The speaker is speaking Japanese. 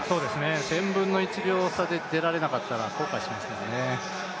１０００分の１秒差で出られなかったら後悔しますもんね。